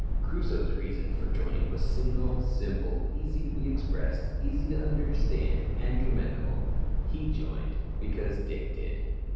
Crusoe's reason for joining was single, simple, easy to be expressed, easy to be understood, and commendable. He joined because Dick did.